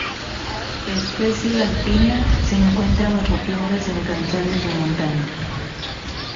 Especie alpina, se encuentra bajo piedras en canchales de montaña.